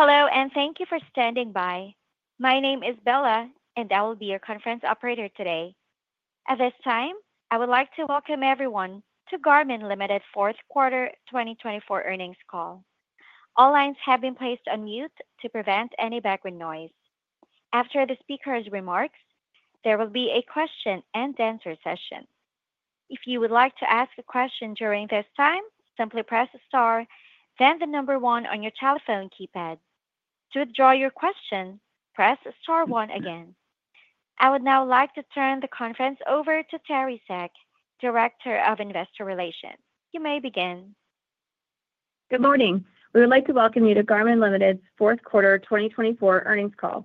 Hello, and thank you for standing by. My name is Bella, and I will be your conference operator today. At this time, I would like to welcome everyone to Garmin Ltd Fourth Quarter 2024 Earnings Call. All lines have been placed on mute to prevent any background noise. After the speaker's remarks, there will be a question-and-answer session. If you would like to ask a question during this time, simply press the star, then the number one on your telephone keypad. To withdraw your question, press star one again. I would now like to turn the conference over to Teri Seck, Director of Investor Relations. You may begin. Good morning. We would like to welcome you to Garmin Ltd's Fourth Quarter 2024 Earnings Call.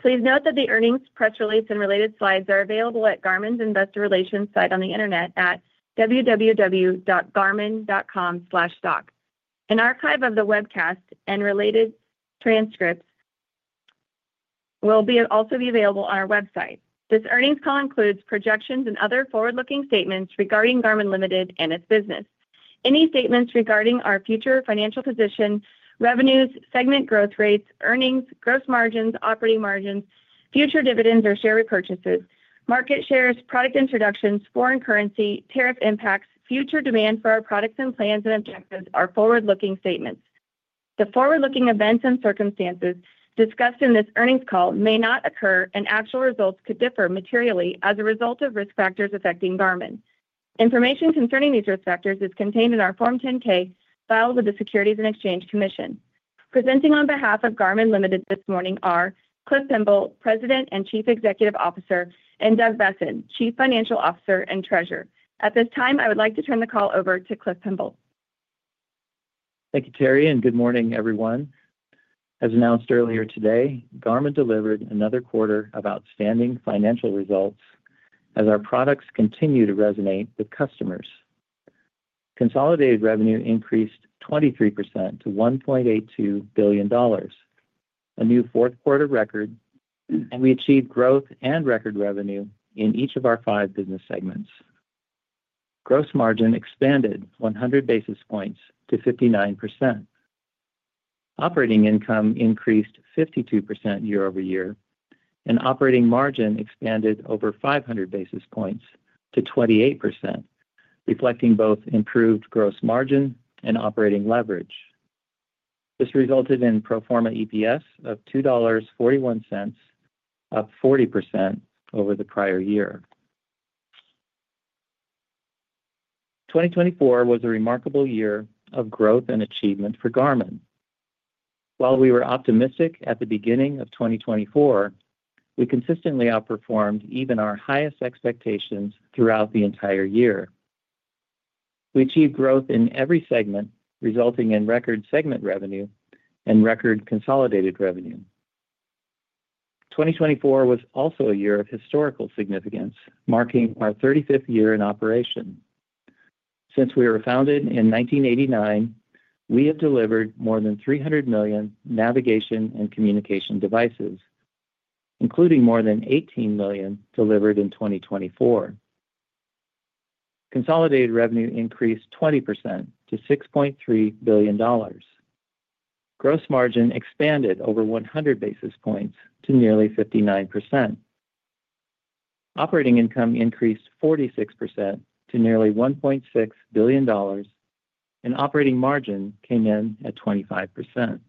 Please note that the earnings, press release, and related slides are available at Garmin's Investor Relations site on the internet at www.garmin.com/stock. An archive of the webcast and related transcripts will also be available on our website. This earnings call includes projections and other forward-looking statements regarding Garmin Ltd and its business. Any statements regarding our future financial position, revenues, segment growth rates, earnings, gross margins, operating margins, future dividends or share repurchases, market shares, product introductions, foreign currency, tariff impacts, future demand for our products and plans and objectives are forward-looking statements. The forward-looking events and circumstances discussed in this earnings call may not occur, and actual results could differ materially as a result of risk factors affecting Garmin. Information concerning these risk factors is contained in our Form 10-K filed with the Securities and Exchange Commission. Presenting on behalf of Garmin Ltd this morning are Cliff Pemble, President and Chief Executive Officer, and Doug Boessen, Chief Financial Officer and Treasurer. At this time, I would like to turn the call over to Cliff Pemble. Thank you, Teri, and good morning, everyone. As announced earlier today, Garmin delivered another quarter of outstanding financial results as our products continue to resonate with customers. Consolidated revenue increased 23% to $1.82 billion, a new fourth-quarter record, and we achieved growth and record revenue in each of our five business segments. Gross margin expanded 100 basis points to 59%. Operating income increased 52% year-over-year, and operating margin expanded over 500 basis points to 28%, reflecting both improved gross margin and operating leverage. This resulted in pro forma EPS of $2.41, up 40% over the prior year. 2024 was a remarkable year of growth and achievement for Garmin. While we were optimistic at the beginning of 2024, we consistently outperformed even our highest expectations throughout the entire year. We achieved growth in every segment, resulting in record segment revenue and record consolidated revenue. 2024 was also a year of historical significance, marking our 35th year in operation. Since we were founded in 1989, we have delivered more than 300 million navigation and communication devices, including more than 18 million delivered in 2024. Consolidated revenue increased 20% to $6.3 billion. Gross margin expanded over 100 basis points to nearly 59%. Operating income increased 46% to nearly $1.6 billion, and operating margin came in at 25%.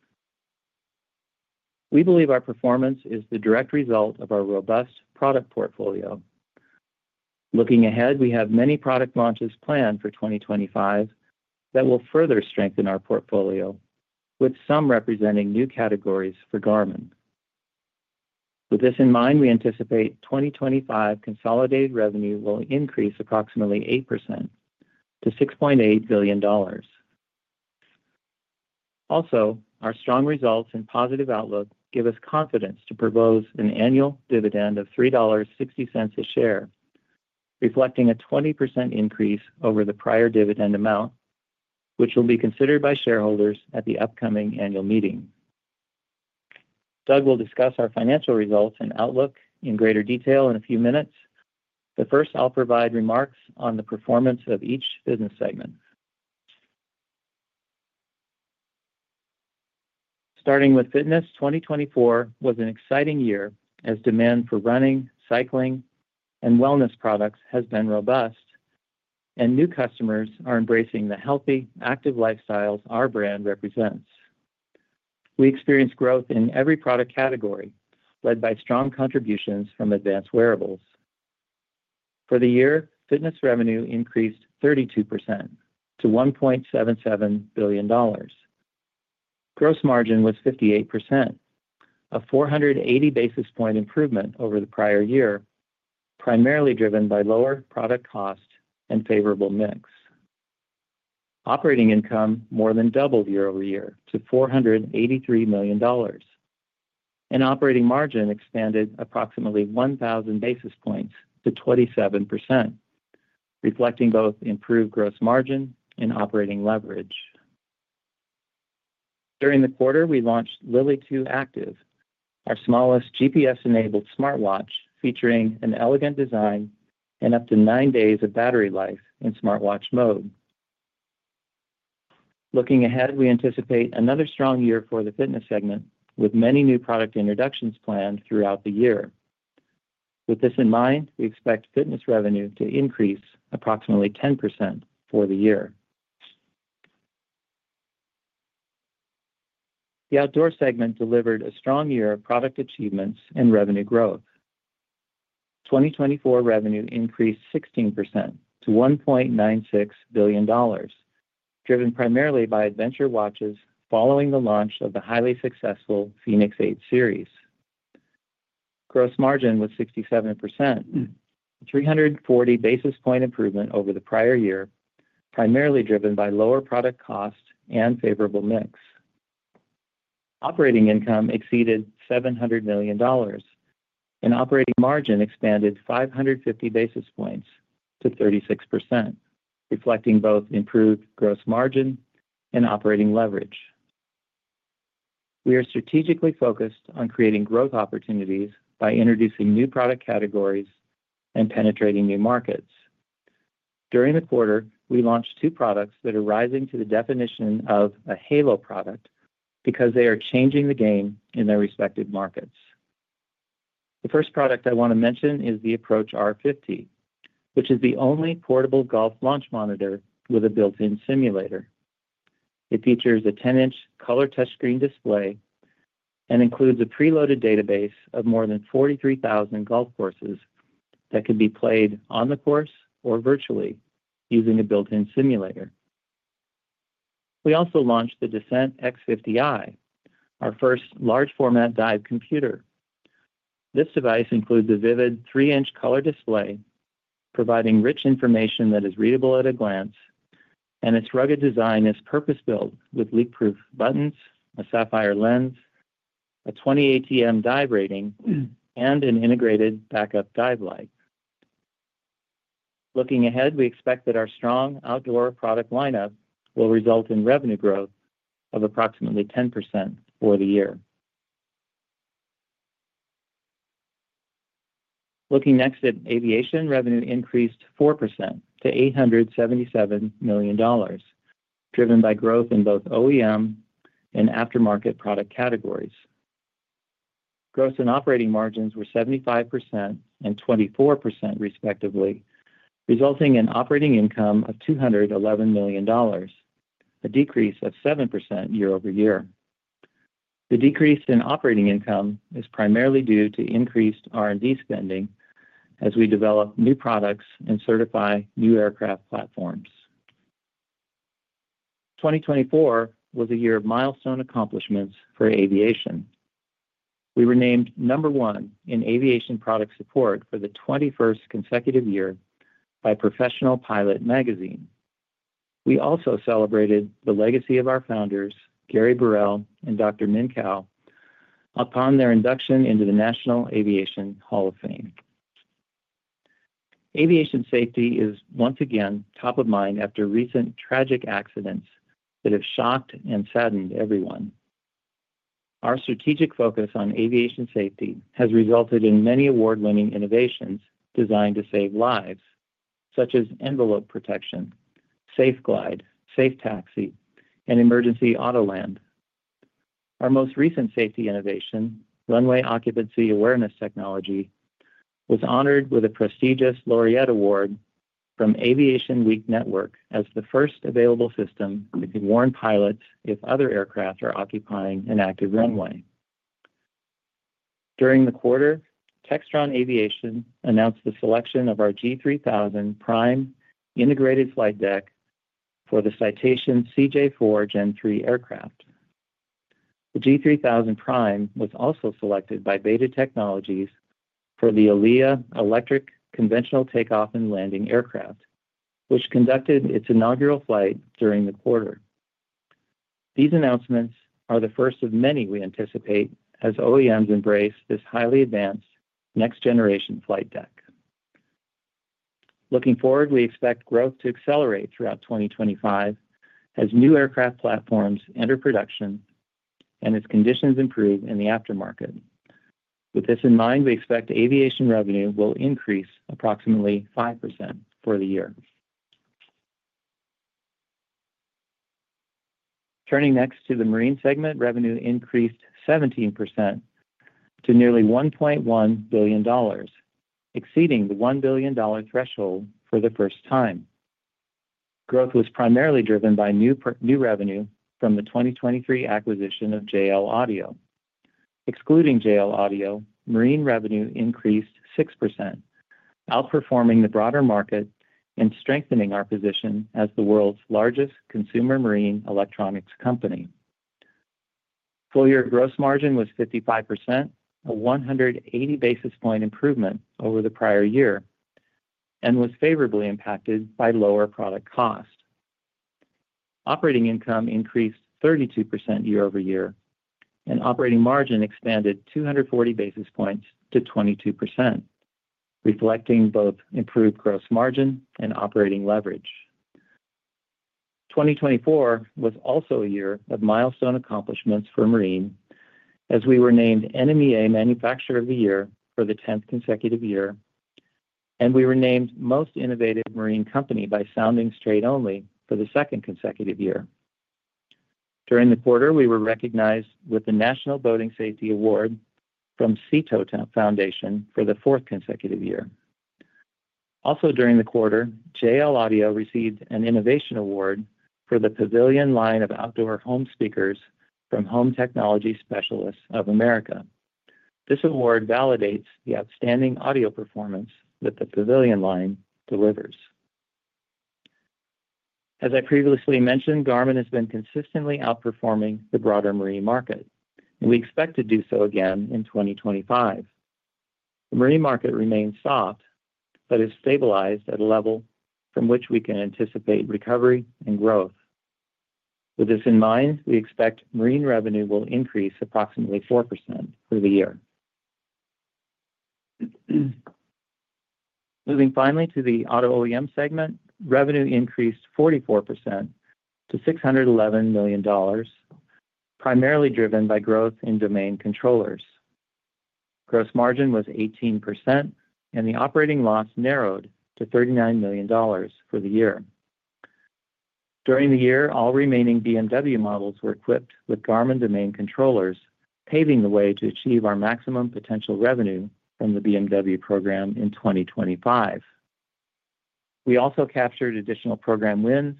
We believe our performance is the direct result of our robust product portfolio. Looking ahead, we have many product launches planned for 2025 that will further strengthen our portfolio, with some representing new categories for Garmin. With this in mind, we anticipate 2025 consolidated revenue will increase approximately 8% to $6.8 billion. Also, our strong results and positive outlook give us confidence to propose an annual dividend of $3.60 a share, reflecting a 20% increase over the prior dividend amount, which will be considered by shareholders at the upcoming annual meeting. Doug will discuss our financial results and outlook in greater detail in a few minutes. But first, I'll provide remarks on the performance of each business segment. Starting with Fitness, 2024 was an exciting year as demand for running, cycling, and wellness products has been robust, and new customers are embracing the healthy, active lifestyles our brand represents. We experienced growth in every product category, led by strong contributions from advanced wearables. For the year, Fitness revenue increased 32% to $1.77 billion. Gross margin was 58%, a 480 basis points improvement over the prior year, primarily driven by lower product cost and favorable mix. Operating income more than doubled year-over-year to $483 million, and operating margin expanded approximately 1,000 basis points to 27%, reflecting both improved gross margin and operating leverage. During the quarter, we launched Lily 2 Active, our smallest GPS-enabled smartwatch featuring an elegant design and up to nine days of battery life in smartwatch mode. Looking ahead, we anticipate another strong year for the Fitness segment, with many new product introductions planned throughout the year. With this in mind, we expect Fitness revenue to increase approximately 10% for the year. The Outdoor segment delivered a strong year of product achievements and revenue growth. 2024 revenue increased 16% to $1.96 billion, driven primarily by adventure watches following the launch of the highly successful fēnix 8 series. Gross margin was 67%, a 340 basis points improvement over the prior year, primarily driven by lower product cost and favorable mix. Operating income exceeded $700 million, and operating margin expanded 550 basis points to 36%, reflecting both improved gross margin and operating leverage. We are strategically focused on creating growth opportunities by introducing new product categories and penetrating new markets. During the quarter, we launched two products that are rising to the definition of a halo product because they are changing the game in their respective markets. The first product I want to mention is the Approach R50, which is the only portable golf launch monitor with a built-in simulator. It features a 10-inch color touchscreen display and includes a preloaded database of more than 43,000 golf courses that can be played on the course or virtually using a built-in simulator. We also launched the Descent X50i, our first large-format dive computer. This device includes a vivid 3-inch color display, providing rich information that is readable at a glance, and its rugged design is purpose-built with leak-proof buttons, a sapphire lens, a 20 ATM dive rating, and an integrated backup dive light. Looking ahead, we expect that our strong outdoor product lineup will result in revenue growth of approximately 10% for the year. Looking next at Aviation, revenue increased 4% to $877 million, driven by growth in both OEM and aftermarket product categories. Gross and operating margins were 75% and 24%, respectively, resulting in operating income of $211 million, a decrease of 7% year-over-year. The decrease in operating income is primarily due to increased R&D spending as we develop new products and certify new aircraft platforms. 2024 was a year of milestone accomplishments for aviation. We were named number one in aviation product support for the 21st consecutive year by Professional Pilot Magazine. We also celebrated the legacy of our founders, Gary Burrell and Dr. Min Kao, upon their induction into the National Aviation Hall of Fame. Aviation safety is once again top of mind after recent tragic accidents that have shocked and saddened everyone. Our strategic focus on aviation safety has resulted in many award-winning innovations designed to save lives, such as envelope protection, Smart Glide, SafeTaxi, and Emergency Autoland. Our most recent safety innovation, Runway Occupancy Awareness technology, was honored with a prestigious Laureate Award from Aviation Week Network as the first available system that can warn pilots if other aircraft are occupying an active runway. During the quarter, Textron Aviation announced the selection of our G3000 PRIME integrated flight deck for the Citation CJ4 Gen3 aircraft. The G3000 PRIME was also selected by BETA Technologies for the ALIA electric, conventional takeoff and landing aircraft, which conducted its inaugural flight during the quarter. These announcements are the first of many we anticipate as OEMs embrace this highly advanced next-generation flight deck. Looking forward, we expect growth to accelerate throughout 2025 as new aircraft platforms enter production and as conditions improve in the aftermarket. With this in mind, we expect Aviation revenue will increase approximately 5% for the year. Turning next to the Marine segment, revenue increased 17% to nearly $1.1 billion, exceeding the $1 billion threshold for the first time. Growth was primarily driven by new revenue from the 2023 acquisition of JL Audio. Excluding JL Audio, Marine revenue increased 6%, outperforming the broader market and strengthening our position as the world's largest consumer marine electronics company. Full year gross margin was 55%, a 180 basis point improvement over the prior year, and was favorably impacted by lower product cost. Operating income increased 32% year-over-year, and operating margin expanded 240 basis points to 22%, reflecting both improved gross margin and operating leverage. 2024 was also a year of milestone accomplishments for Marine, as we were named NMEA Manufacturer of the Year for the 10th consecutive year, and we were named Most Innovative Marine Company by Soundings Trade Only for the second consecutive year. During the quarter, we were recognized with the National Boating Safety Award from Sea Tow Foundation for the fourth consecutive year. Also during the quarter, JL Audio received an Innovation Award for the Pavilion Line of Outdoor Home Speakers from Home Technology Specialists of America. This award validates the outstanding audio performance that the Pavilion Line delivers. As I previously mentioned, Garmin has been consistently outperforming the broader marine market, and we expect to do so again in 2025. The marine market remains soft but has stabilized at a level from which we can anticipate recovery and growth. With this in mind, we expect Marine revenue will increase approximately 4% for the year. Moving finally to the Auto OEM segment, revenue increased 44% to $611 million, primarily driven by growth in domain controllers. Gross margin was 18%, and the operating loss narrowed to $39 million for the year. During the year, all remaining BMW models were equipped with Garmin domain controllers, paving the way to achieve our maximum potential revenue from the BMW program in 2025. We also captured additional program wins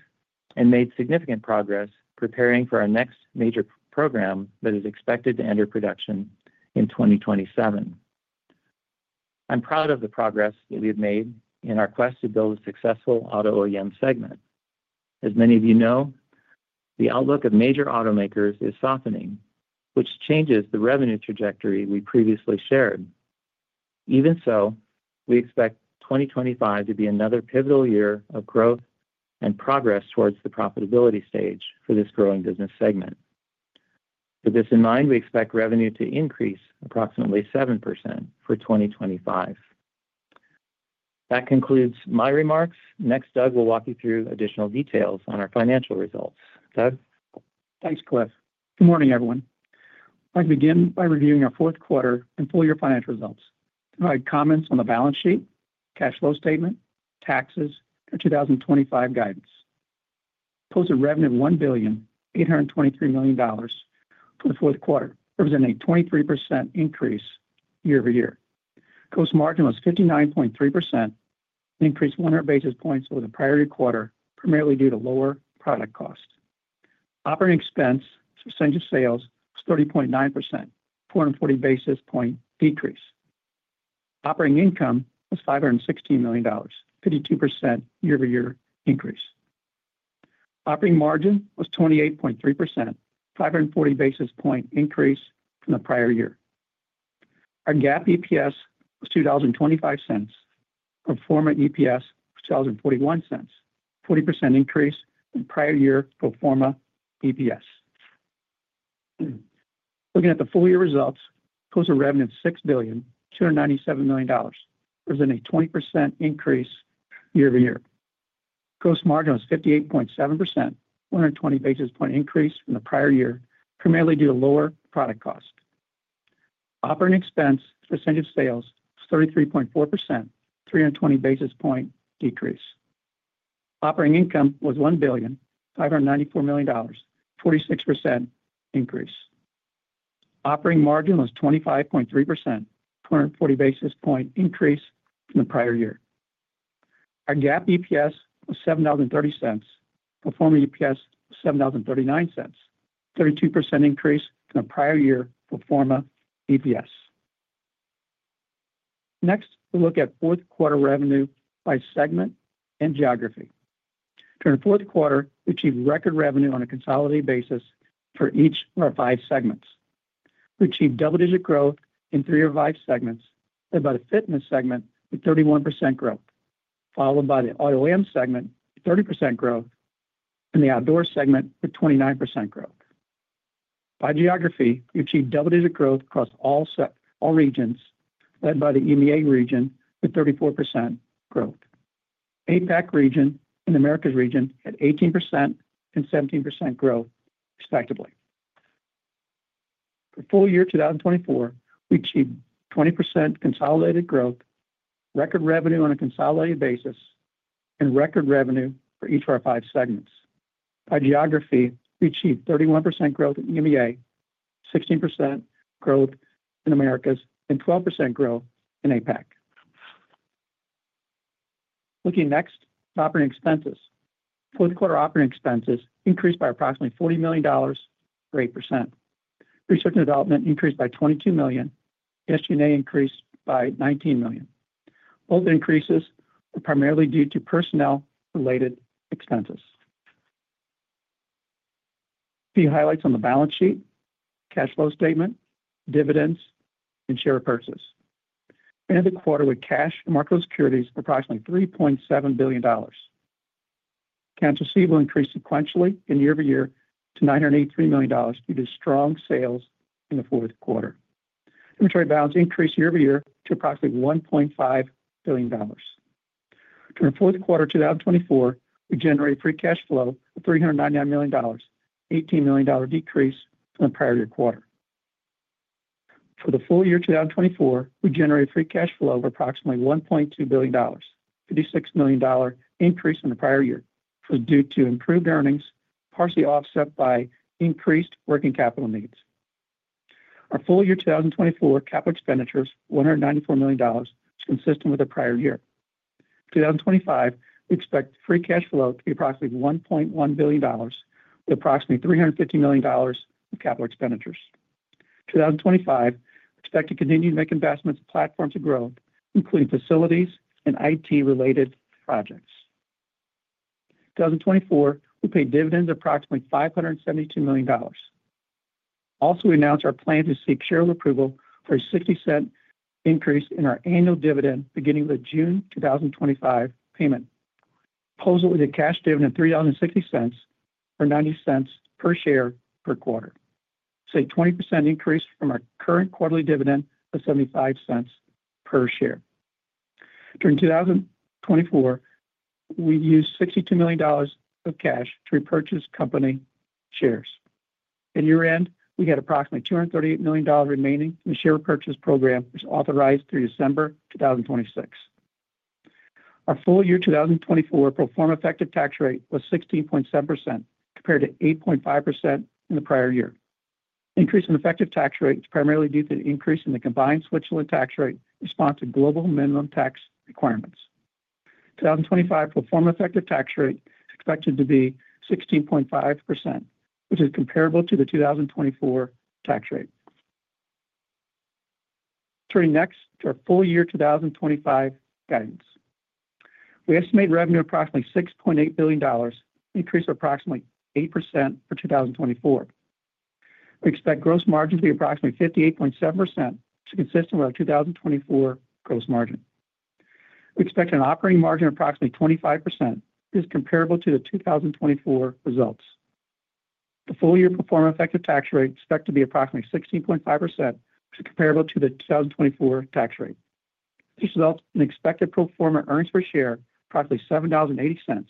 and made significant progress preparing for our next major program that is expected to enter production in 2027. I'm proud of the progress that we have made in our quest to build a successful Auto OEM segment. As many of you know, the outlook of major automakers is softening, which changes the revenue trajectory we previously shared. Even so, we expect 2025 to be another pivotal year of growth and progress towards the profitability stage for this growing business segment. With this in mind, we expect revenue to increase approximately 7% for 2025. That concludes my remarks. Next, Doug will walk you through additional details on our financial results. Doug? Thanks, Cliff. Good morning, everyone. I'd like to begin by reviewing our fourth quarter and full year financial results. I'd like comments on the balance sheet, cash flow statement, taxes, and 2025 guidance. Posted revenue of $1,823 million for the fourth quarter represents a 23% increase year-over-year. Gross margin was 59.3%, an increase of 100 basis points over the prior quarter, primarily due to lower product cost. Operating expense, percentage of sales, was 30.9%, a 440 basis point decrease. Operating income was $516 million, a 52% year-over-year increase. Operating margin was 28.3%, a 540 basis point increase from the prior year. Our GAAP EPS was $0.25, pro forma EPS was $0.21, a 40% increase from prior year pro forma EPS. Looking at the full year results, posted revenue of $6.297 billion represents a 20% increase year-over-year. Gross margin was 58.7%, a 120 basis point increase from the prior year, primarily due to lower product cost. Operating expense, percentage of sales, was 33.4%, a 320 basis point decrease. Operating income was $1,594 million, a 46% increase. Operating margin was 25.3%, a 240 basis point increase from the prior year. Our GAAP EPS was $0.073. Pro forma EPS was $0.0739, a 32% increase from the prior year pro forma EPS. Next, we'll look at fourth quarter revenue by segment and geography. During the fourth quarter, we achieved record revenue on a consolidated basis for each of our five segments. We achieved double-digit growth in three of our five segments, led by the Fitness segment with 31% growth, followed by the Auto OEM segment with 30% growth, and the Outdoor segment with 29% growth. By geography, we achieved double-digit growth across all regions, led by the EMEA region with 34% growth. APAC region and Americas region had 18% and 17% growth, respectively. For full year 2024, we achieved 20% consolidated growth, record revenue on a consolidated basis, and record revenue for each of our five segments. By geography, we achieved 31% growth in EMEA, 16% growth in Americas, and 12% growth in APAC. Looking next to operating expenses, fourth quarter operating expenses increased by approximately $40 million or 8%. Research and development increased by $22 million. SG&A increased by $19 million. Both increases were primarily due to personnel-related expenses. Few highlights on the balance sheet, cash flow statement, dividends, and share purchase. End of the quarter with cash and marketable securities of approximately $3.7 billion. Accounts receivable increased sequentially year-over-year to $983 million due to strong sales in the fourth quarter. Inventory balance increased year-over-year to approximately $1.5 billion. During fourth quarter 2024, we generated free cash flow of $399 million, an $18 million decrease from the prior year quarter. For the full year 2024, we generated free cash flow of approximately $1.2 billion, a $56 million increase from the prior year, which was due to improved earnings, partially offset by increased working capital needs. Our full year 2024 capital expenditures were $194 million, which is consistent with the prior year. In 2025, we expect free cash flow to be approximately $1.1 billion, with approximately $350 million of capital expenditures. In 2025, we expect to continue to make investments in platforms of growth, including facilities and IT-related projects. In 2024, we paid dividends of approximately $572 million. Also, we announced our plan to seek shareholder approval for a 60% increase in our annual dividend beginning with the June 2025 payment. Proposal is a cash dividend of $3.60 or $0.90 per share per quarter, which is a 20% increase from our current quarterly dividend of $0.75 per share. During 2024, we used $62 million of cash to repurchase company shares. At year-end, we had approximately $238 million remaining from the share purchase program, which was authorized through December 2026. Our full year 2024 pro forma effective tax rate was 16.7%, compared to 8.5% in the prior year. Increase in effective tax rate is primarily due to the increase in the combined Switzerland tax rate in response to global minimum tax requirements. In 2025, pro forma effective tax rate is expected to be 16.5%, which is comparable to the 2024 tax rate. Turning next to our full year 2025 guidance, we estimate revenue of approximately $6.8 billion, an increase of approximately 8% for 2024. We expect gross margin to be approximately 58.7%, which is consistent with our 2024 gross margin. We expect an operating margin of approximately 25%. This is comparable to the 2024 results. The full year pro forma effective tax rate is expected to be approximately 16.5%, which is comparable to the 2024 tax rate. This results in expected pro forma earnings per share, approximately $7.80,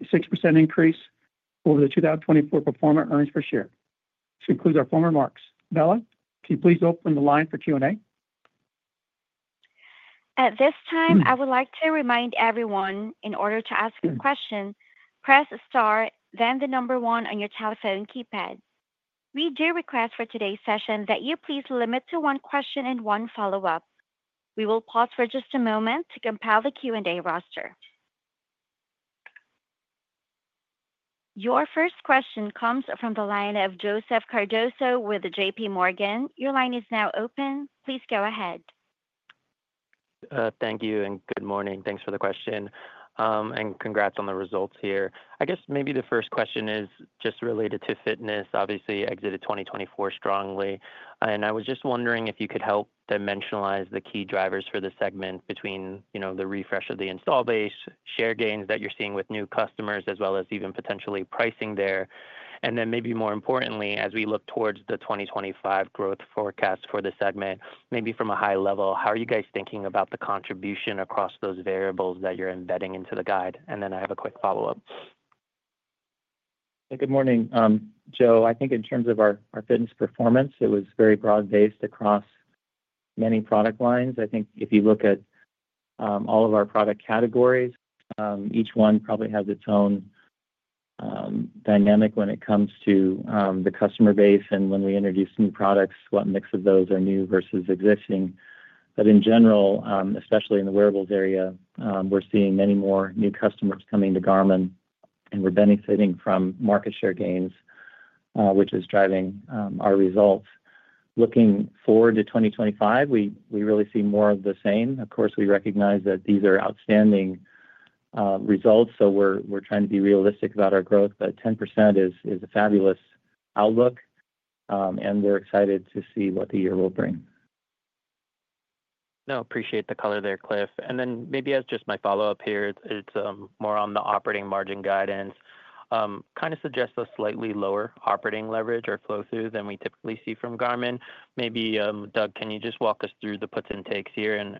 a 6% increase over the 2024 pro forma earnings per share. This concludes our full remarks. Bella, can you please open the line for Q&A? At this time, I would like to remind everyone, in order to ask a question, press star, then the number one on your telephone keypad. We do request for today's session that you please limit to one question and one follow-up. We will pause for just a moment to compile the Q&A roster. Your first question comes from the line of Joseph Cardoso with JPMorgan. Your line is now open. Please go ahead. Thank you and good morning. Thanks for the question, and congrats on the results here. I guess maybe the first question is just related to Fitness. Obviously, you exited 2024 strongly, and I was just wondering if you could help dimensionalize the key drivers for the segment between, you know, the refresh of the install base, share gains that you're seeing with new customers, as well as even potentially pricing there? And then maybe more importantly, as we look towards the 2025 growth forecast for the segment, maybe from a high level, how are you guys thinking about the contribution across those variables that you're embedding into the guide? And then I have a quick follow-up. Good morning, Joe. I think in terms of our Fitness performance, it was very broad-based across many product lines. I think if you look at all of our product categories, each one probably has its own dynamic when it comes to the customer base and when we introduce new products, what mix of those are new versus existing. But in general, especially in the wearables area, we're seeing many more new customers coming to Garmin, and we're benefiting from market share gains, which is driving our results. Looking forward to 2025, we really see more of the same. Of course, we recognize that these are outstanding results, so we're trying to be realistic about our growth, but 10% is a fabulous outlook, and we're excited to see what the year will bring. No, appreciate the color there, Cliff. And then maybe as just my follow-up here, it's more on the operating margin guidance. Kind of suggests a slightly lower operating leverage or flow-through than we typically see from Garmin. Maybe, Doug, can you just walk us through the puts and takes here and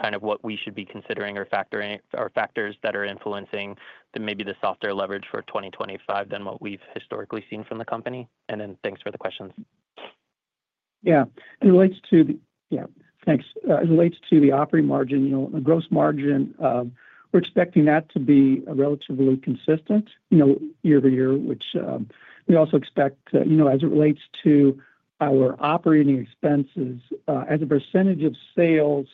kind of what we should be considering or factors that are influencing maybe the softer leverage for 2025 than what we've historically seen from the company? And then thanks for the questions. Yeah, thanks. As it relates to the operating margin, you know, the gross margin, we're expecting that to be relatively consistent, you know, year-over-year, which we also expect, you know, as it relates to our operating expenses, as a percentage of sales,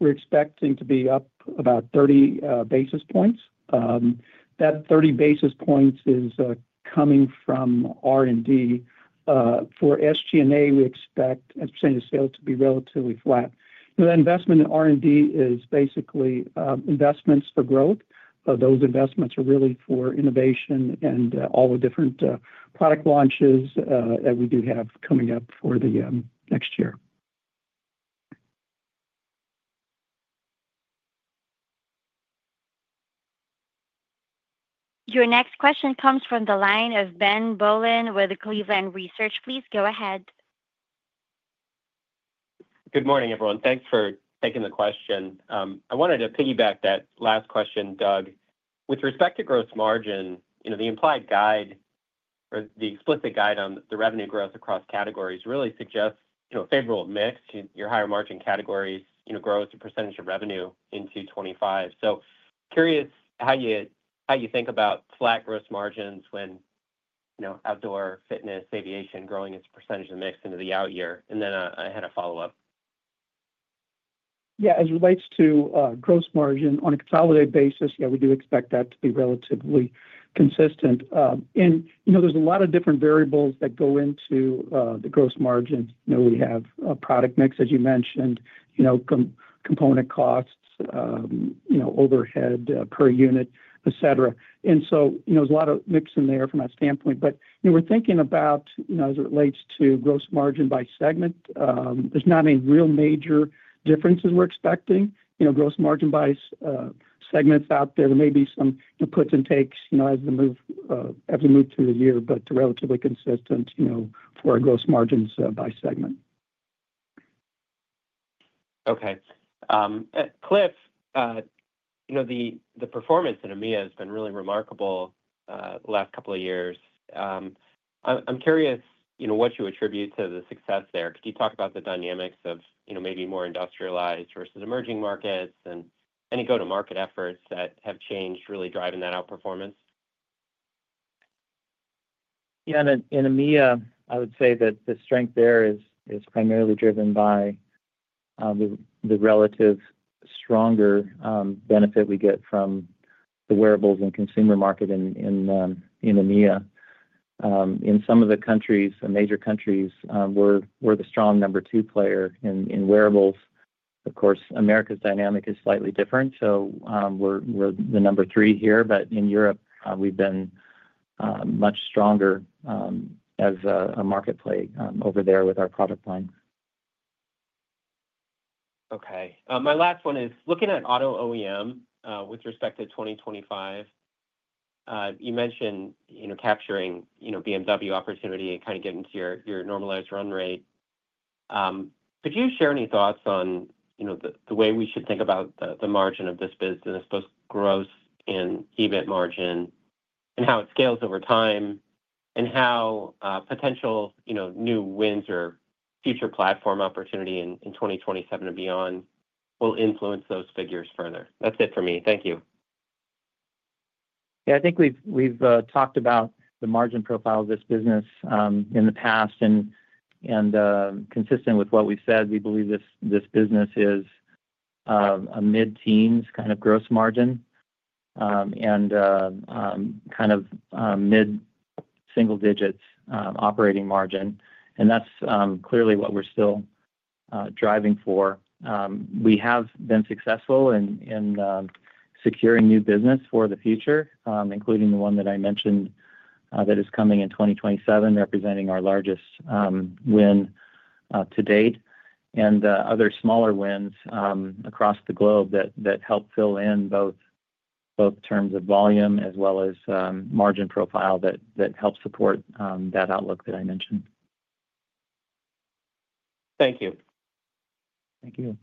we're expecting to be up about 30 basis points. That 30 basis points is coming from R&D. For SG&A, we expect as percentage of sales to be relatively flat. The investment in R&D is basically investments for growth. Those investments are really for innovation and all the different product launches that we do have coming up for the next year. Your next question comes from the line of Ben Bollin with Cleveland Research. Please go ahead. Good morning, everyone. Thanks for taking the question. I wanted to piggyback that last question, Doug. With respect to gross margin, you know, the implied guide or the explicit guide on the revenue growth across categories really suggests, you know, a favorable mix. Your higher margin categories, you know, grow as a percentage of revenue into 2025. So curious how you think about flat gross margins when, you know, Outdoor, Fitness, Aviation growing as a percentage of the mix into the out year. And then I had a follow-up. Yeah, as it relates to gross margin on a consolidated basis, yeah, we do expect that to be relatively consistent. You know, there's a lot of different variables that go into the gross margin. You know, we have a product mix, as you mentioned, you know, component costs, you know, overhead per unit, et cetera. And so, you know, there's a lot of mix in there from that standpoint. But, you know, we're thinking about, you know, as it relates to gross margin by segment, there's not any real major differences we're expecting. You know, gross margin by segments out there, there may be some, you know, puts and takes, you know, as we move through the year, but relatively consistent, you know, for our gross margins by segment. Okay. Cliff, you know, the performance in EMEA has been really remarkable the last couple of years. I'm curious, you know, what you attribute to the success there? Could you talk about the dynamics of, you know, maybe more industrialized versus emerging markets and any go-to-market efforts that have changed, really driving that outperformance? Yeah, in EMEA, I would say that the strength there is primarily driven by the relative stronger benefit we get from the wearables and consumer market in EMEA. In some of the countries, the major countries, we're the strong number two player in wearables. Of course, Americas dynamic is slightly different, so we're the number three here, but in Europe, we've been much stronger as a market play over there with our product line. Okay. My last one is looking at Auto OEM with respect to 2025, you mentioned, you know, capturing, you know, BMW opportunity and kind of getting to your normalized run rate. Could you share any thoughts on, you know, the way we should think about the margin of this business, both gross and EBIT margin, and how it scales over time, and how potential, you know, new wins or future platform opportunity in 2027 and beyond will influence those figures further? That's it for me. Thank you. Yeah, I think we've talked about the margin profile of this business in the past, and consistent with what we've said, we believe this business is a mid-teens kind of gross margin and kind of mid-single digits operating margin. And that's clearly what we're still driving for. We have been successful in securing new business for the future, including the one that I mentioned that is coming in 2027, representing our largest win to date, and other smaller wins across the globe that help fill in both terms of volume as well as margin profile that help support that outlook that I mentioned. Thank you. Thank you.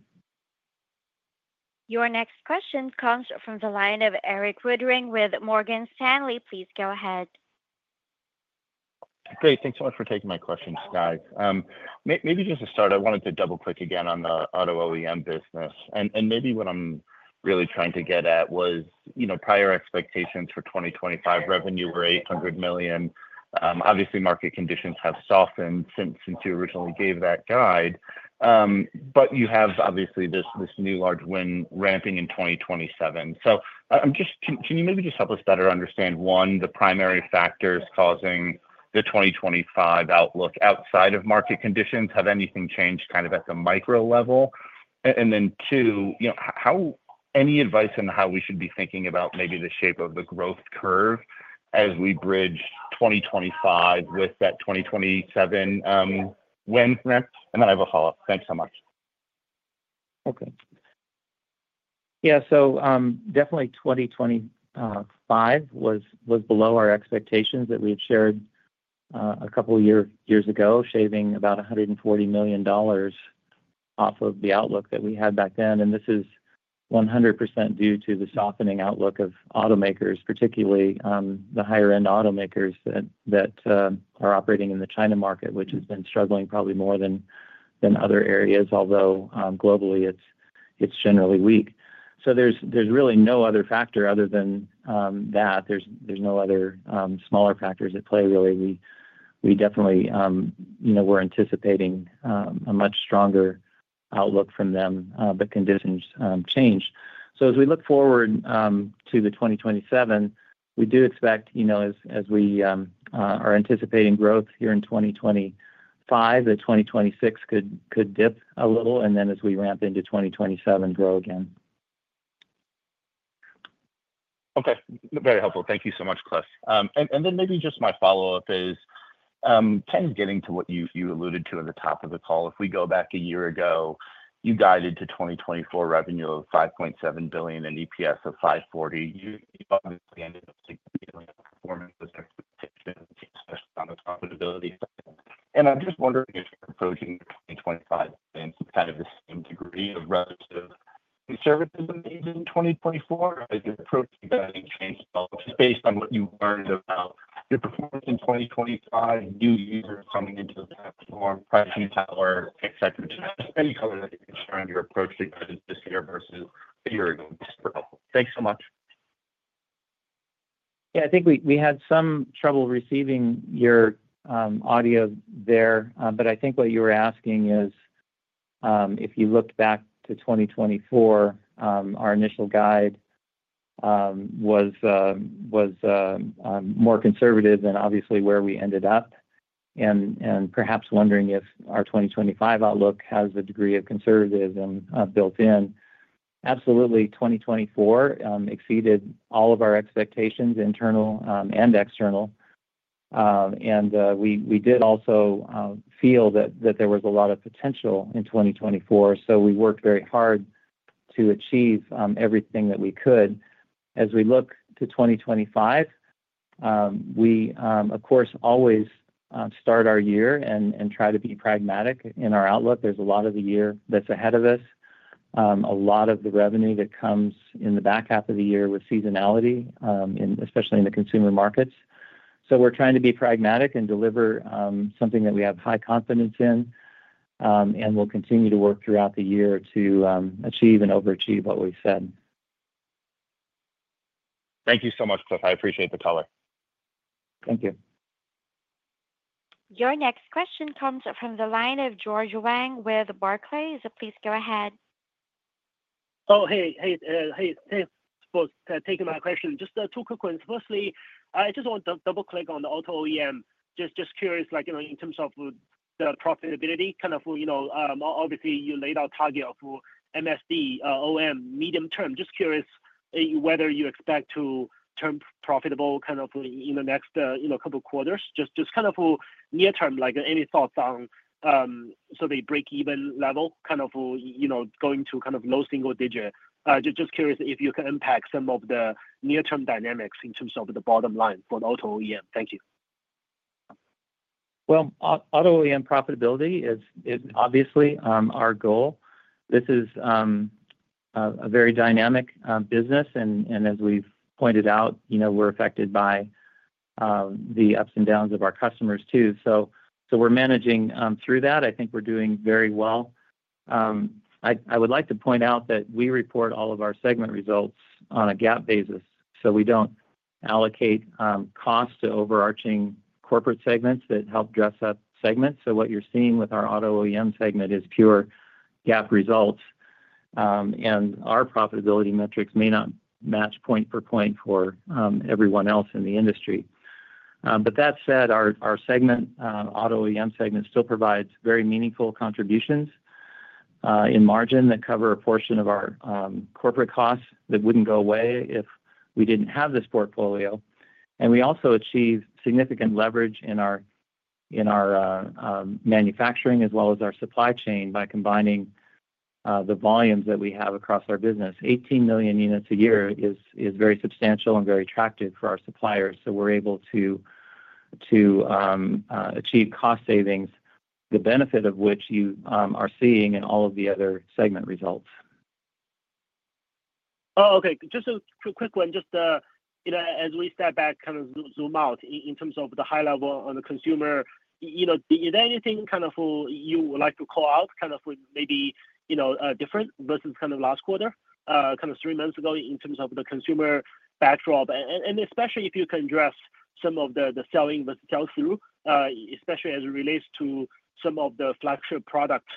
Your next question comes from the line of Erik Woodring with Morgan Stanley. Please go ahead. Great. Thanks so much for taking my questions, guys. Maybe just to start, I wanted to double-click again on the Auto OEM business. And maybe what I'm really trying to get at was, you know, prior expectations for 2025 revenue were $800 million. Obviously, market conditions have softened since you originally gave that guide, but you have obviously this new large win ramping in 2027. So I'm just, can you maybe just help us better understand, one, the primary factors causing the 2025 outlook outside of market conditions? Have anything changed kind of at the micro level? And then two, you know, how, any advice on how we should be thinking about maybe the shape of the growth curve as we bridge 2025 with that 2027 win threat? And then I have a follow-up. Thanks so much. Okay. Yeah, yeah, so definitely 2025 was below our expectations that we had shared a couple of years ago, shaving about $140 million off of the outlook that we had back then. And this is 100% due to the softening outlook of automakers, particularly the higher-end automakers that are operating in the China market, which has been struggling probably more than other areas, although globally it's generally weak. So there's really no other factor other than that. There's no other smaller factors at play really. We definitely, you know, were anticipating a much stronger outlook from them, but conditions change. So as we look forward to the 2027, we do expect, you know, as we are anticipating growth here in 2025, that 2026 could dip a little, and then as we ramp into 2027, grow again. Okay. Very helpful. Thank you so much, Cliff. And then maybe just my follow-up is kind of getting to what you alluded to at the top of the call. If we go back a year ago, you guided to 2024 revenue of $5.7 billion and EPS of $5.40. You obviously ended up significantly outperforming those expectations, especially on the profitability side. And I'm just wondering if you're approaching 2025 in kind of the same degree of relative conservatism in 2024. Is your approach to guiding changed at all? Just based on what you learned about your performance in 2025, new users coming into the platform, pricing power, et cetera, just any color that you can share on your approach to guiding this year versus a year ago. Thanks so much. Yeah, I think we had some trouble receiving your audio there, but I think what you were asking is if you looked back to 2024, our initial guide was more conservative than, obviously, where we ended up, and perhaps wondering if our 2025 outlook has a degree of conservatism built in. Absolutely, 2024 exceeded all of our expectations, internal and external, and we did also feel that there was a lot of potential in 2024, so we worked very hard to achieve everything that we could. As we look to 2025, we, of course, always start our year and try to be pragmatic in our outlook. There's a lot of the year that's ahead of us, a lot of the revenue that comes in the back half of the year with seasonality, especially in the consumer markets. We're trying to be pragmatic and deliver something that we have high confidence in, and we'll continue to work throughout the year to achieve and overachieve what we've said. Thank you so much, Cliff. I appreciate the color. Thank you. Your next question comes from the line of George Wang with Barclays. Please go ahead. Oh, hey, hey, hey. Thanks for taking my question. Just two quick ones. Firstly, I just want to double-click on the Auto OEM. Just curious, like, you know, in terms of the profitability, kind of, you know, obviously you laid out target for MSD, OEM, medium term. Just curious whether you expect to turn profitable, kind of in the next, you know, couple of quarters. Just kind of near-term, like any thoughts on, so the break-even level, kind of, you know, going to kind of low single digit. Just curious if you can unpack some of the near-term dynamics in terms of the bottom line for the Auto OEM. Thank you. Well, Auto OEM profitability is obviously our goal. This is a very dynamic business, and as we've pointed out, you know, we're affected by the ups and downs of our customers too. So we're managing through that. I think we're doing very well. I would like to point out that we report all of our segment results on a GAAP basis, so we don't allocate cost to overarching corporate segments that help dress up segments. What you're seeing with our Auto OEM segment is pure GAAP results, and our profitability metrics may not match point for point for everyone else in the industry. But that said, our segment, Auto OEM segment, still provides very meaningful contributions in margin that cover a portion of our corporate costs that wouldn't go away if we didn't have this portfolio. And we also achieve significant leverage in our manufacturing as well as our supply chain by combining the volumes that we have across our business. 18 million units a year is very substantial and very attractive for our suppliers, so we're able to achieve cost savings, the benefit of which you are seeing in all of the other segment results. Oh, okay. Just a quick one. Just, you know, as we step back, kind of zoom out in terms of the high level on the consumer, you know, is there anything kind of you would like to call out kind of maybe, you know, different versus kind of last quarter, kind of three months ago in terms of the consumer backdrop? And especially if you can address some of the selling versus sell-through, especially as it relates to some of the flagship product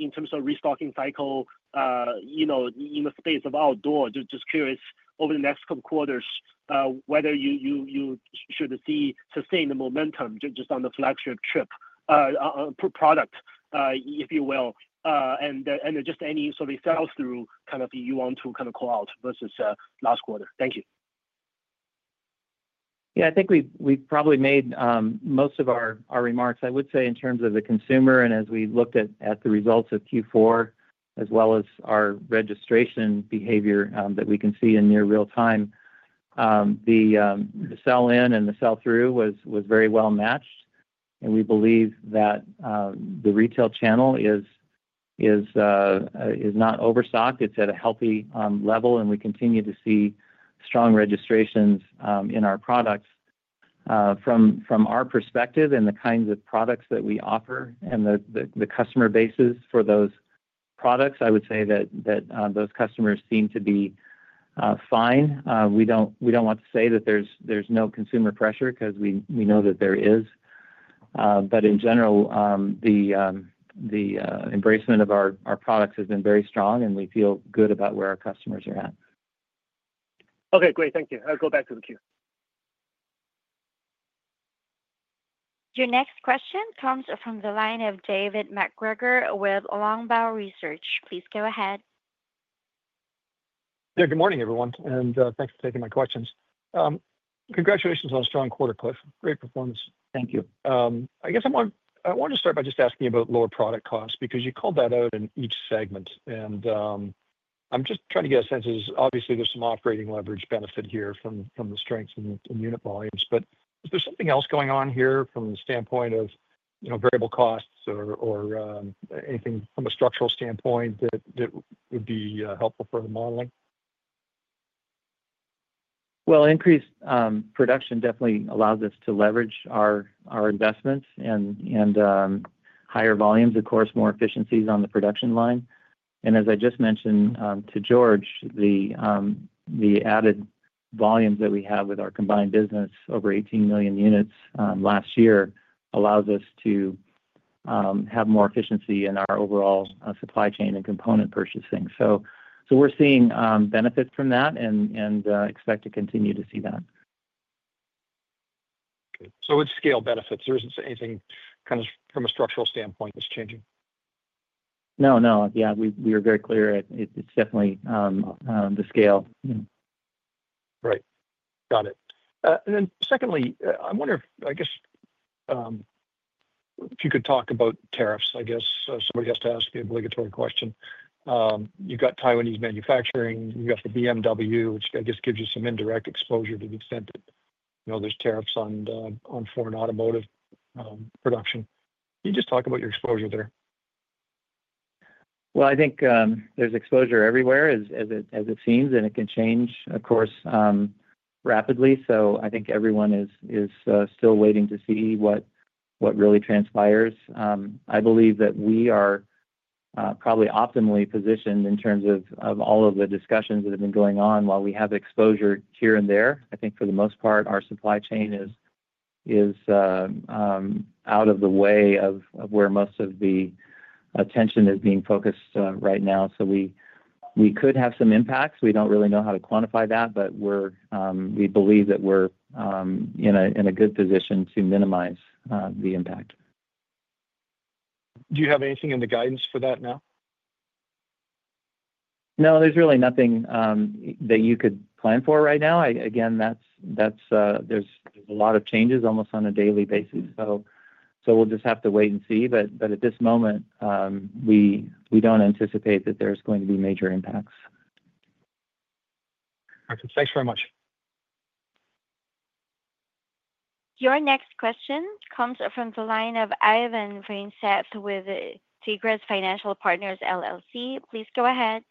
in terms of restocking cycle, you know, in the space of outdoor. Just curious over the next couple of quarters whether you should see sustained momentum just on the flagship trip product, if you will, and just any sort of sell-through kind of you want to kind of call out versus last quarter. Thank you. Yeah, I think we've probably made most of our remarks, I would say, in terms of the consumer, and as we looked at the results of Q4 as well as our registration behavior that we can see in near real time, the sell-in and the sell-through was very well matched, and we believe that the retail channel is not overstocked. It's at a healthy level, and we continue to see strong registrations in our products. From our perspective and the kinds of products that we offer and the customer bases for those products, I would say that those customers seem to be fine. We don't want to say that there's no consumer pressure because we know that there is. But in general, the embrace of our products has been very strong, and we feel good about where our customers are at. Okay, great. Thank you. I'll go back to the queue. Your next question comes from the line of David MacGregor with Longbow Research. Please go ahead. Yeah, good morning, everyone, and thanks for taking my questions. Congratulations on a strong quarter, Cliff. Great performance. Thank you. I guess I wanted to start by just asking you about lower product costs because you called that out in each segment, and I'm just trying to get a sense of, obviously, there's some operating leverage benefit here from the strengths and unit volumes, but is there something else going on here from the standpoint of, you know, variable costs or anything from a structural standpoint that would be helpful for the modeling? Well, increased production definitely allows us to leverage our investments and higher volumes, of course, more efficiencies on the production line. And as I just mentioned to George, the added volumes that we have with our combined business over 18 million units last year allows us to have more efficiency in our overall supply chain and component purchasing. So we're seeing benefits from that and expect to continue to see that. Okay. So with scale benefits, there isn't anything kind of from a structural standpoint that's changing? No, no. Yeah, we are very clear at it's definitely the scale. Right. Got it. And then secondly, I wonder, I guess, if you could talk about tariffs, I guess. Somebody has to ask the obligatory question. You've got Taiwanese manufacturing. You've got the BMW, which I guess gives you some indirect exposure to the extent that there's tariffs on foreign automotive production. Can you just talk about your exposure there? I think there's exposure everywhere, as it seems, and it can change, of course, rapidly. So I think everyone is still waiting to see what really transpires. I believe that we are probably optimally positioned in terms of all of the discussions that have been going on while we have exposure here and there. I think for the most part, our supply chain is out of the way of where most of the attention is being focused right now. So we could have some impacts. We don't really know how to quantify that, but we believe that we're in a good position to minimize the impact. Do you have anything in the guidance for that now? No, there's really nothing that you could plan for right now. Again, there's a lot of changes almost on a daily basis, so we'll just have to wait and see. But at this moment, we don't anticipate that there's going to be major impacts. Perfect. Thanks very much. Your next question comes from the line of Ivan Feinseth with Tigress Financial Partners, LLC. Please go ahead.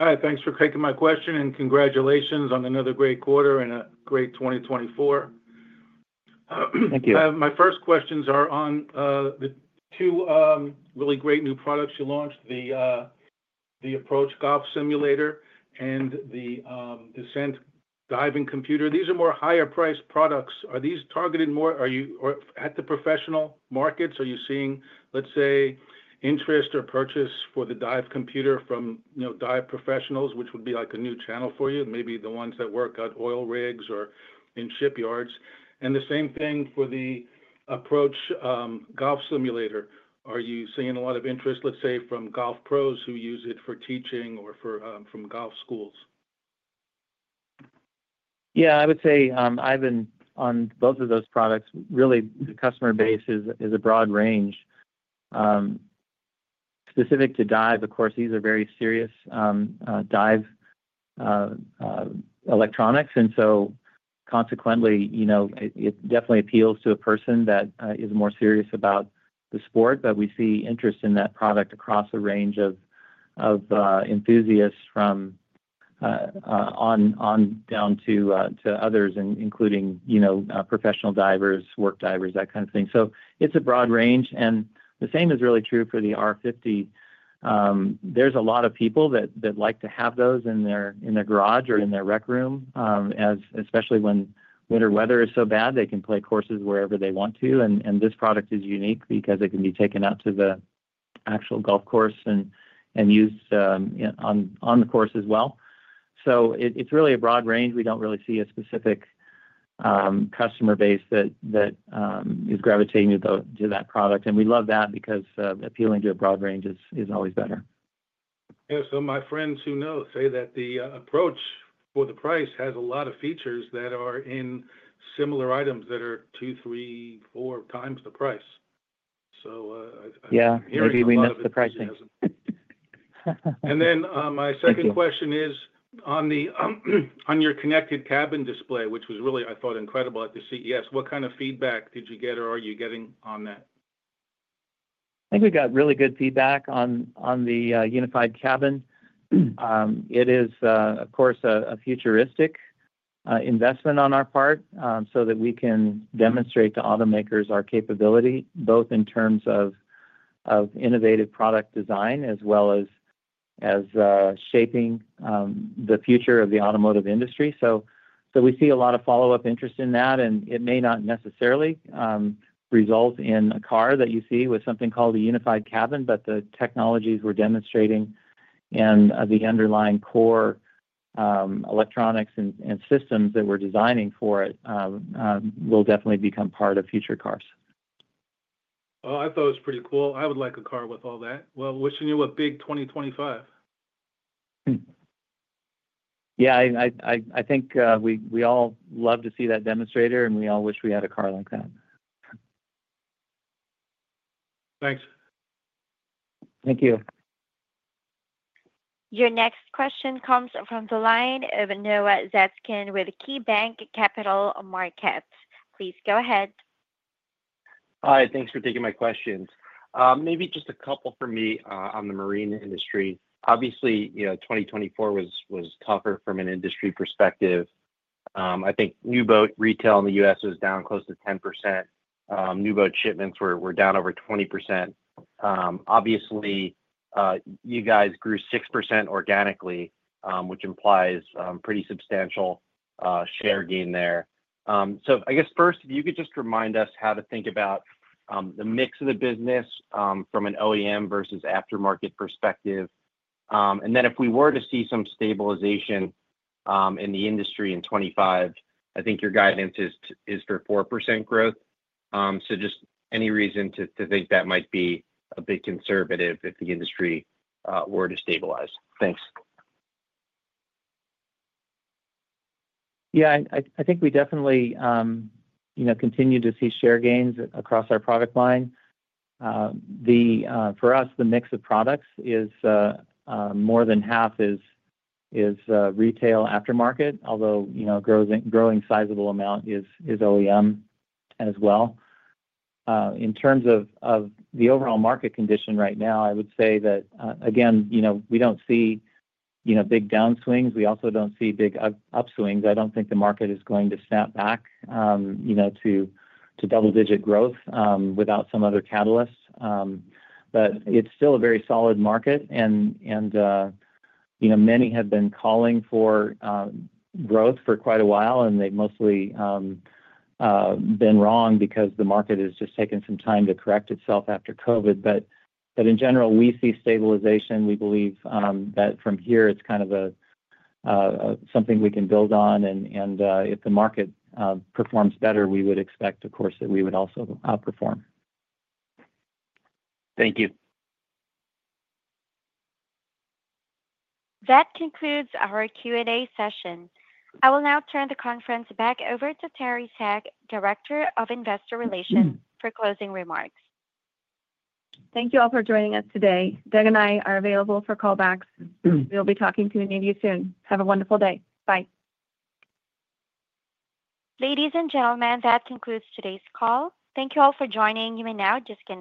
Hi, thanks for taking my question, and congratulations on another great quarter and a great 2024. Thank you. My first questions are on the two really great new products you launched, the Approach Golf Simulator and the Descent Diving Computer. These are more higher-priced products. Are these targeted more at the professional markets? Are you seeing, let's say, interest or purchase for the dive computer from dive professionals, which would be like a new channel for you, maybe the ones that work at oil rigs or in shipyards? And the same thing for the Approach Golf Simulator. Are you seeing a lot of interest, let's say, from golf pros who use it for teaching or from golf schools? Yeah, I would say I've been on both of those products. Really, the customer base is a broad range. Specific to dive, of course, these are very serious dive electronics, and so consequently, you know, it definitely appeals to a person that is more serious about the sport, but we see interest in that product across a range of enthusiasts on down to others, including professional divers, work divers, that kind of thing. So it's a broad range, and the same is really true for the R50. There's a lot of people that like to have those in their garage or in their rec room, especially when winter weather is so bad. They can play courses wherever they want to, and this product is unique because it can be taken out to the actual golf course and used on the course as well. So it's really a broad range. We don't really see a specific customer base that is gravitating to that product, and we love that because appealing to a broad range is always better. Yeah, so my friends who know say that the Approach for the price has a lot of features that are in similar items that are two, three, four times the price. So I'm hearing from the customers. Yeah, indeed, we love the pricing. And then my second question is on your connected cabin display, which was really, I thought, incredible at the CES. What kind of feedback did you get or are you getting on that? I think we got really good feedback on the Unified Cabin. It is, of course, a futuristic investment on our part so that we can demonstrate to automakers our capability, both in terms of innovative product design as well as shaping the future of the automotive industry. So we see a lot of follow-up interest in that, and it may not necessarily result in a car that you see with something called a unified cabin, but the technologies we're demonstrating and the underlying core electronics and systems that we're designing for it will definitely become part of future cars. Well, I thought it was pretty cool. I would like a car with all that. Well, wishing you a big 2025. Yeah, I think we all love to see that demonstrator, and we all wish we had a car like that. Thanks. Thank you. Your next question comes from the line of Noah Zatzkin with KeyBanc Capital Markets. Please go ahead. Hi, thanks for taking my questions. Maybe just a couple for me on the marine industry. Obviously, 2024 was tougher from an industry perspective. I think new boat retail in the U.S. was down close to 10%. New boat shipments were down over 20%. Obviously, you guys grew 6% organically, which implies pretty substantial share gain there. So I guess first, if you could just remind us how to think about the mix of the business from an OEM versus aftermarket perspective, and then if we were to see some stabilization in the industry in 2025, I think your guidance is for 4% growth. So just any reason to think that might be a bit conservative if the industry were to stabilize. Thanks. Yeah, I think we definitely continue to see share gains across our product line. For us, the mix of products is more than half is retail aftermarket, although a growing sizable amount is OEM as well. In terms of the overall market condition right now, I would say that, again, we don't see big downswings. We also don't see big upswings. I don't think the market is going to snap back to double-digit growth without some other catalysts, but it's still a very solid market, and many have been calling for growth for quite a while, and they've mostly been wrong because the market has just taken some time to correct itself after COVID. But in general, we see stabilization. We believe that from here, it's kind of something we can build on, and if the market performs better, we would expect, of course, that we would also outperform. Thank you. That concludes our Q&A session. I will now turn the conference back over to Teri Seck, Director of Investor Relations, for closing remarks. Thank you all for joining us today. Doug and I are available for callbacks. We will be talking to any of you soon. Have a wonderful day. Bye. Ladies and gentlemen, that concludes today's call. Thank you all for joining. You may now disconnect.